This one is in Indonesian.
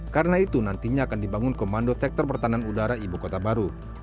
karena itu nantinya akan dibangun komando sektor pertahanan udara ibu kota baru